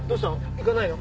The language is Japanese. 行かないの？